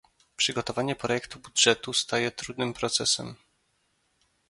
Przygotowanie projektu budżetu staje trudnym procesem